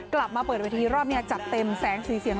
กลับมาเปิดเวทีรอบนี้จัดเต็มแสงสีเสียง